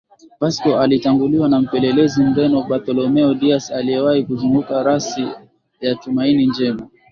Vasco alitanguliwa na mpelelezi Mreno Bartholomeo Dias aliyewahi kuzunguka Rasi ya Tumaini Njema